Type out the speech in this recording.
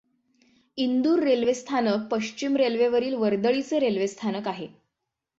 Indore railway स्थानक पश्चिम रेल्वेवरील वर्दळीचे रेल्वे स्थानक आहे.